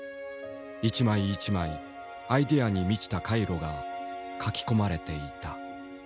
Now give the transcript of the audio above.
一枚一枚アイデアに満ちた回路が描き込まれていた。